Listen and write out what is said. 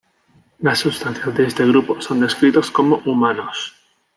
Las sustancias de este grupo son descritos como "humanos".